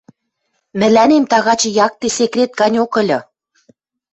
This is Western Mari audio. — Мӹлӓнем тагачы якте секрет ганьок ыльы...